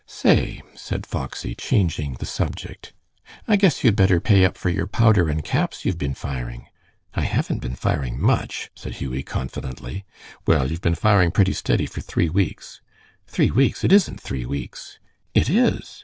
"Say," said Foxy, changing the subject, "I guess you had better pay up for your powder and caps you've been firing." "I haven't been firing much," said Hughie, confidently. "Well, you've been firing pretty steady for three weeks." "Three weeks! It isn't three weeks." "It is.